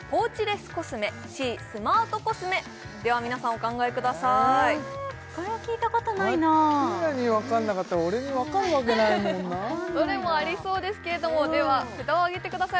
では皆さんお考えくださいえーこれは聞いたことないなあアッキーナにわかんなかったら俺にわかるわけないもんなあどれもありそうですけれどもでは札を上げてください